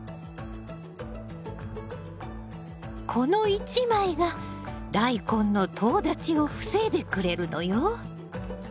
この一枚がダイコンのとう立ちを防いでくれるのよ！